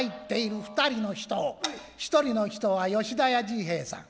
一人の人は吉田屋治兵衛さん